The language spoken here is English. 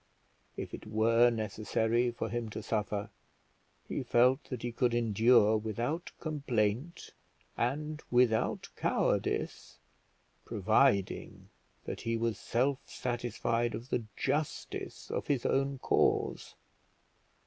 If it were necessary for him to suffer, he felt that he could endure without complaint and without cowardice, providing that he was self satisfied of the justice of his own cause.